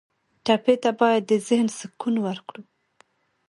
ټپي ته باید د ذهن سکون ورکړو.